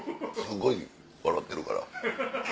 すごい笑てるから。